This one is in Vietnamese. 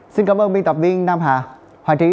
xin cảm ơn biên tập viên nam hà hòa trí